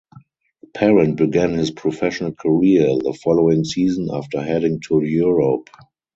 Parent began his professional career the following season after heading to Europe.